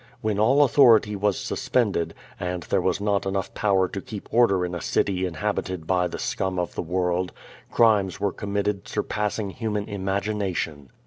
When all au thority was suspended, and there was not enough power to keep order in a city inhabited by the scum of the world, crimes were committed surpassing human imagination.